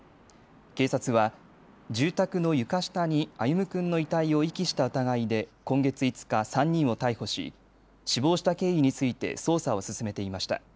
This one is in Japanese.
警察は住宅の床下に歩夢君の遺体を遺棄した疑いで今月５日、３人を逮捕し死亡した経緯について捜査を進めていました。